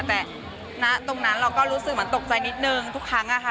แต่ณตรงนั้นเราก็รู้สึกเหมือนตกใจนิดนึงทุกครั้งอะค่ะ